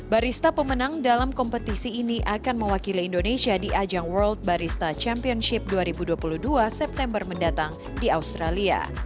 barista pemenang dalam kompetisi ini akan mewakili indonesia di ajang world barista championship dua ribu dua puluh dua september mendatang di australia